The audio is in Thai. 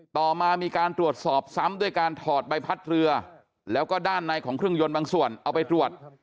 ต่อมามีการตรวจสอบซ้ำด้วยการถอดใบพัดเรือแล้วก็ด้านในของเครื่องยนต์บางส่วนเอาไปตรวจ